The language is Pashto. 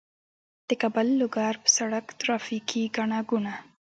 د کابل- لوګر په سړک ترافیکي ګڼه ګوڼه